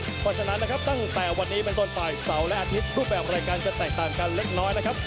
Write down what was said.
เพราะฉะนั้นนะครับตั้งแต่วันนี้เป็นต้นไปเสาร์และอาทิตย์รูปแบบรายการจะแตกต่างกันเล็กน้อยนะครับ